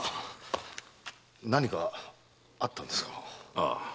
ああ。